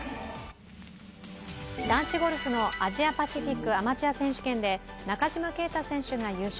男子ゴルフのアジアパシフィックアマチュア選手権で中島啓太選手が優勝。